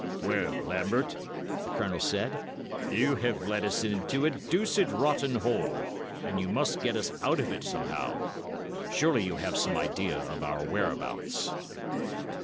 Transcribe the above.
"Well, Lambert," the Colonel said, "you have led us into a deuced rotten hole, and you must get us out of it somehow. Surely you have some idea of our whereabouts."